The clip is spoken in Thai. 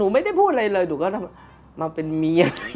ไม่ล้าง